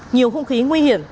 nhiều hung khí nguy hiểm